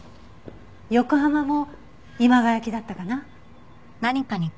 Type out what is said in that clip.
横浜も今川焼きだったかな。